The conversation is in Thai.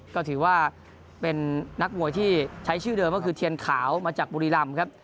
ก็ถือว่าเป็นนักมวยที่ใช้ชื่อเดิมก็คือเทียนขาวมาจากบุรีรำครับ